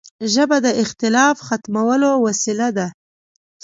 ژبه د اختلاف ختمولو وسیله ده